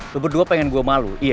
lu berdua pengen gue malu iya